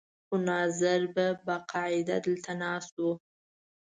خو ناظر به باقاعده دلته ناست و.